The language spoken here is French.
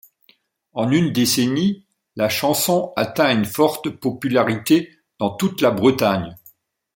En une décennie, la chanson atteint une forte popularité dans toute la Bretagne.